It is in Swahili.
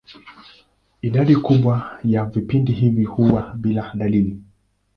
Idadi kubwa ya vipindi hivi huwa bila dalili.